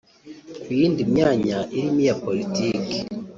Ku yindi myanya irimo iya politiki